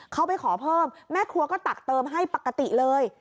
เขาไปขอเพิ่มแม่ครัวก็ตักเติมให้ปกติเลย